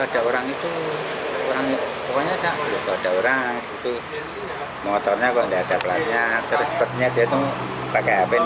kalau ada orang itu pokoknya saya kalau ada orang motornya kalau tidak ada pelatnya